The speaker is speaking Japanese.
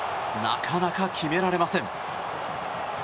なかなか決められません。